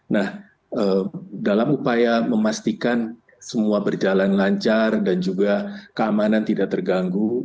nah dalam upaya memastikan semua berjalan lancar dan juga keamanan tidak terganggu